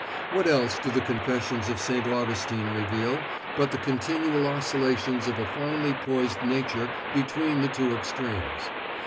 What else do the confessions of St. Augustine reveal but the continual oscillations of a finely poised nature between the two extremes?